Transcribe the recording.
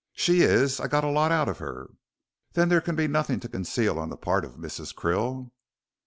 "She is. I got a lot out of her." "Then there can be nothing to conceal on the part of Mrs. Krill?"